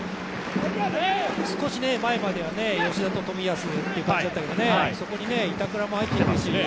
少し前までは吉田と冨安という感じだったけどそこに板倉も入ってくるしね。